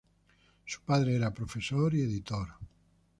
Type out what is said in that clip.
Su padre era profesor y editor.